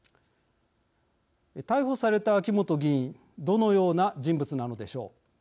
逮捕された秋本議員どのような人物なのでしょう。